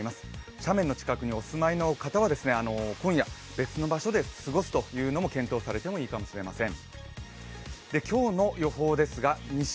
斜面の近くにお住まいの方は今夜、別の場所で過ごすというのも検討されてもいいかもしれません。